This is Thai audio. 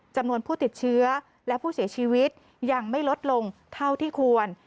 จำนวนผู้ติดเชื้อและผู้เสียชีวิตยังไม่ลดลงเท่าที่ควร